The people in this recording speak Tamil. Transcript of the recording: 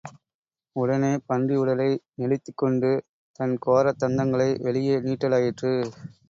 உடனே பன்றி உடலை நெளித்துக்கொண்டு தன்கோரத் தந்தங்களை வெளியே நீட்டலாயிற்று.